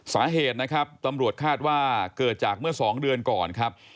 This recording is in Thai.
สาเหตุนะครับตำรวจคาดว่าเกิดจากเมื่อ๒เดือนก่อนครับ